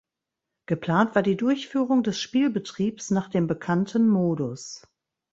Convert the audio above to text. Geplant war die Durchführung des Spielbetriebs nach dem bekannten Modus.